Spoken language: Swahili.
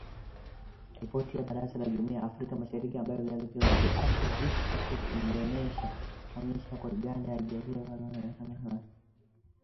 Ripoti ya Baraza la Jumuiya ya Afrika Mashariki ambayo gazeti la The East African iliiona inaonyesha kuwa Uganda haijaridhishwa na ripoti hiyo ya kamati ya uhakiki